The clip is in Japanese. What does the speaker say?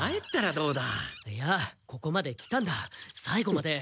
どうだ？